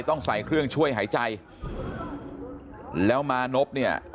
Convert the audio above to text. ต้องใส่เครื่องช่วยหายใจแล้วมานพเนี่ย